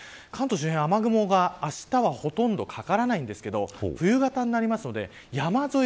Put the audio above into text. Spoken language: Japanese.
雨雲があしたはほとんどかからないんですけど冬型になりますので山沿い